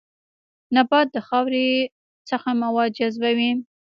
نبات د خاورې څخه مواد جذبوي